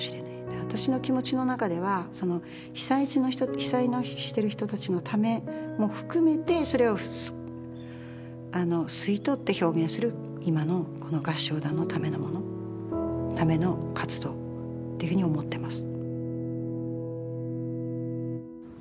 私の気持ちの中では被災地の人被災してる人たちのためも含めてそれを吸い取って表現する今のこの合唱団のためのものための活動っていうふうに思ってます。